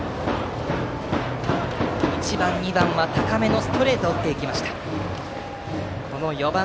１番、２番は高めのストレートを打っていきました。